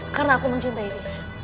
karena aku mencintai dia